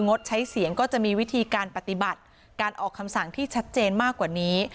งดใช้เสียงก็จะมีวิธีการปฏิบัติการออกคำสั่งที่ชัดเจนมากกว่านี้